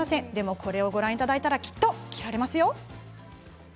これをご覧いただいたらきっと着られますよ。